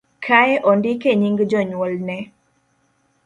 kae ondike nying' jonyuolne